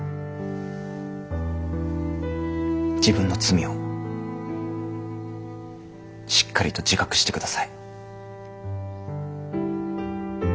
自分の罪をしっかりと自覚して下さい。